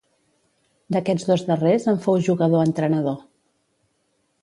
D'aquests dos darrers en fou jugador-entrenador.